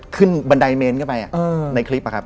ขึ้นบันใดเมนขึ้นไปในคลิป